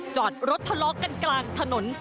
จอดรถทะเลาะกันกลางถนน